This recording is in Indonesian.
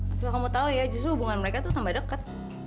asal kamu tahu ya justru hubungan mereka tuh tambah deket